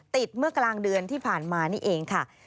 เมื่อกลางเดือนที่ผ่านมานี่เองค่ะ